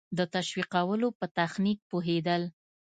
د تشویقولو په تخنیک پوهېدل.